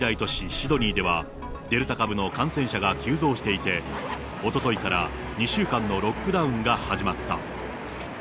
シドニーでは、デルタ株の感染者が急増していて、おとといから２週間のロックダウンが始まった。